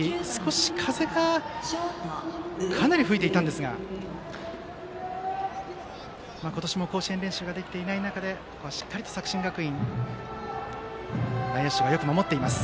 風がかなり吹いていたんですが今年も甲子園練習ができていない中でしっかりと作新学院内野手がよく守っています。